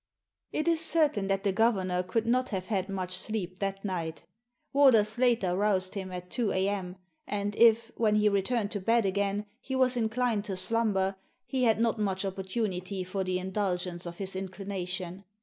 It is certain that the governor could not have had much sleep that night Warder Slater roused him at two a.m. ; and if, when he returned to bed again, he was inclined to slumber, he had not much oppor tunity for the indulgence of his inclination.